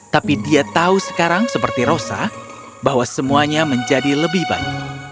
tapi dia tahu sekarang seperti rosa bahwa semuanya menjadi lebih baik